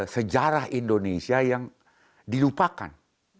sejarah indonesia yang dilupakan